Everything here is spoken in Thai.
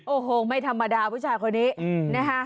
โอ้โหไม่ธรรมดาผู้ชายคนนี้นะคะ